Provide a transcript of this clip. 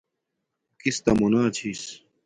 او کستہ مونا چھس